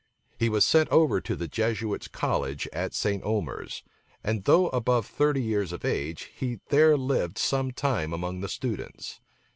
[*] He was sent over to the Jesuits' college at St. Omers, and though above thirty years of age, he there lived some time among the students.